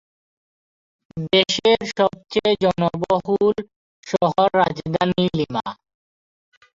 দেশের সবচেয়ে জনবহুল শহর রাজধানী লিমা।